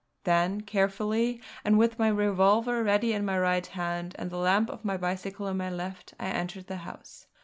Then carefully, and with my revolver ready in my right hand and the lamp of my bicycle in my left, I entered the house.